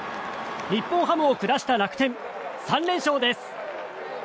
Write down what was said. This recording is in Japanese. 日本ハムを下した楽天３連勝です。